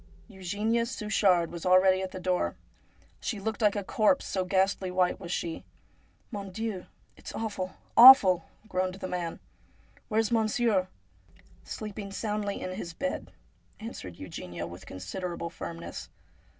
Eugenia Suchard was already at the door. She looked like a corpse, so ghastly white was she. ' Mon Dieu ! it's awful, awful !' groaned the man. ' Where's monsieur ?' 'Sleeping soundly in his bed,' answered Eugenia with considerable firmness.